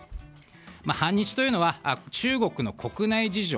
反日というのは中国の国内事情